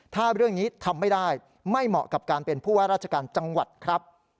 ถ้าเรื่องนี้ทำไม่ได้ไม่เหมาะกับการเป็นผู้ว่าราชการจังหวัดครับ